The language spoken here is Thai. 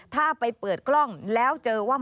มันเกิดเหตุเป็นเหตุที่บ้านกลัว